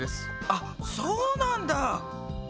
あっそうなんだ。